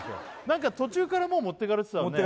何か途中からもう持ってかれてたもんね